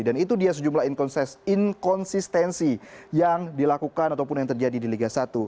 dan itu dia sejumlah inkonsistensi yang dilakukan ataupun yang terjadi di liga satu